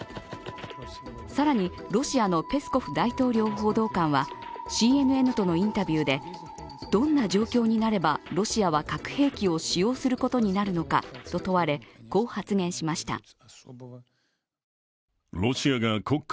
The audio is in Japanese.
更に、ロシアのペスコフ大統領報道官はＣＮＮとのインタビューでどんな状況になればロシアは核兵器を使用することになるのかと問われ、こう発言しました。